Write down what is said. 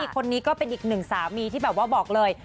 คนนี้ก็เป็นอีกหนึ่งสามีที่แบบว่าบอกเลย